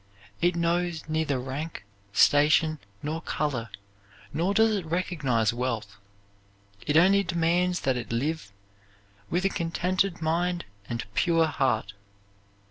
It knows neither rank, station, nor color, nor does it recognize wealth. It only demands that it live with a contented mind and pure heart.